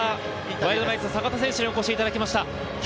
ワイルドナイツの坂手選手にお越しいただきました。